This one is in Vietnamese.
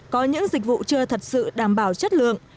có những dịch vụ chưa thật sự đảm bảo chất lượng